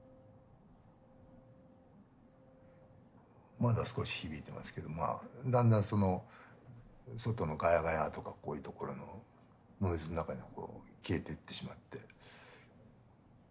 まだ少し響いてますけどまあだんだんその外のガヤガヤとかこういうところのノイズの中に消えていってしまって。